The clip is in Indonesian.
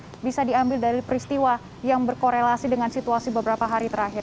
dan juga pesan bisa diambil dari peristiwa yang berkorelasi dengan situasi beberapa hari terakhir